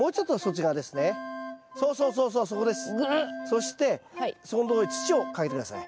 そしてそこんとこに土をかけて下さい。